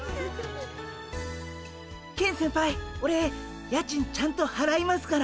ケン先輩オレ家賃ちゃんとはらいますから。